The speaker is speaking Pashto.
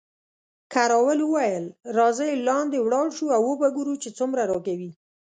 کراول وویل، راځئ لاندې ولاړ شو او وو به ګورو چې څومره راکوي.